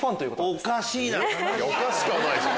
おかしくはないでしょ！